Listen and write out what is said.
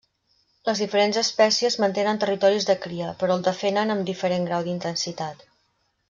Les diferents espècies mantenen territoris de cria, però el defenen amb diferent grau d'intensitat.